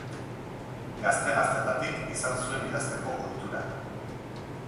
Gazte-gaztetatik izan zuen idazteko ohitura.